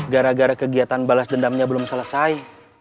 gara gara kegiatan balas dendamnya belum selesai